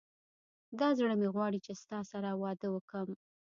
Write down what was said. دا زړه مي غواړي چي ستا سره واده وکم